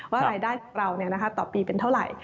รายได้ของเราต่อปีเป็นเท่าไหร่